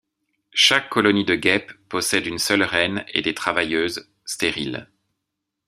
Chaque colonie de guêpes possède une seule reine et des travailleuses, stériles.